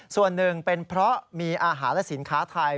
ส่วนหนึ่งเป็นเพราะมีอาหารและสินค้าไทย